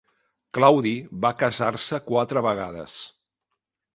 Claudi va casar-se quatre vegades.